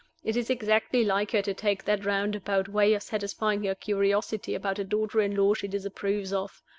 It is exactly like her to take that roundabout way of satisfying her curiosity about a daughter in law she disapproves of.